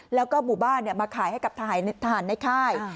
แล้วก็หมู่บ้านมาขายให้กับทหารในค่าย